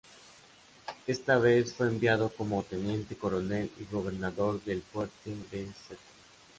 Esta vez fue enviado como teniente coronel y gobernador del fuerte de St.